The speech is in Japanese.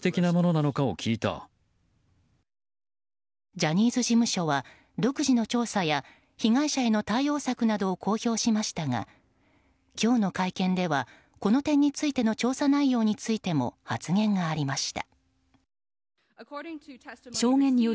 ジャニーズ事務所は独自の調査や被害者への対応策などを公表しましたが今日の会見ではこの点についての調査内容についても発言がありました。